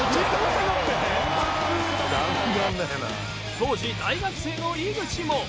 当時大学生の井口も。